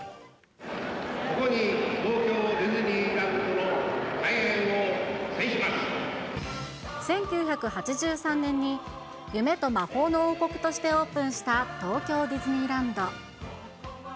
ここに東京ディズニーランド１９８３年に、夢と魔法の王国としてオープンした東京ディズニーランド。